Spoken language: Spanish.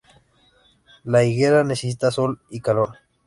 La higuera necesita sol y calor.